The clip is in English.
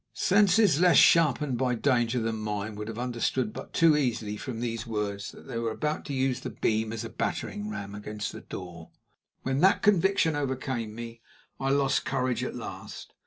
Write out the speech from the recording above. Senses less sharpened by danger than mine would have understood but too easily, from these words, that they were about to use the beam as a battering ram against the door. When that conviction overcame me, I lost courage at last.